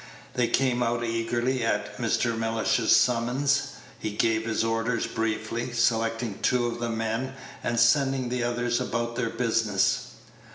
They came out eagerly at Mr. Mellish's summons. He gave his orders briefly, selecting two of the men, and sending the others about their business.